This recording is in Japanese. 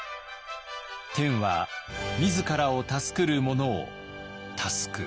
「天は自らを助くる者を助く」。